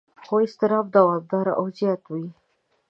خو اضطراب دوامداره او زیات وي.